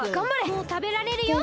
もうたべられるよ！